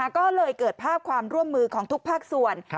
ก็เลยเกิดภาพความร่วมมือของทุกภาคส่วน